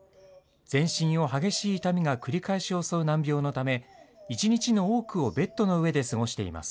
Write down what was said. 全身を激しい痛みが繰り返し襲う難病のため、１日の多くをベッドの上で過ごしています。